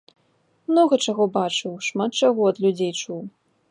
Многа чаго бачыў, шмат чаго ад людзей чуў.